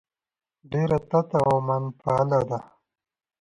ډېره تته او منفعله ده.